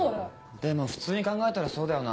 でも普通に考えたらそうだよな。